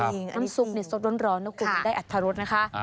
น้ำซุปเนี่ยซุปร้อนแล้วคุณได้อัตรรสนะคะ